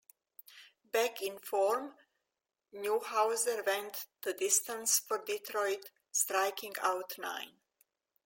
Back in form, Newhouser went the distance for Detroit, striking out nine.